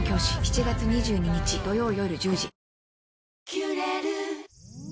「キュレル」